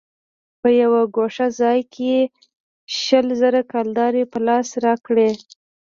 په يوه گوښه ځاى کښې يې شل زره کلدارې په لاس راکړې.